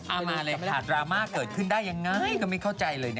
เอามาเลยขาดดราม่าเกิดขึ้นได้ยังไงก็ไม่เข้าใจเลยนะ